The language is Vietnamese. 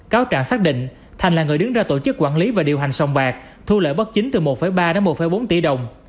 cáo trạng xác định thành là người đứng ra tổ chức quản lý và điều hành sông bạc thu lợi bất chính từ một ba đến một bốn tỷ đồng